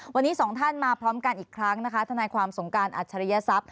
วันนี้สองท่านมาพร้อมกันอีกครั้งนะคะทนายความสงการอัจฉริยศัพย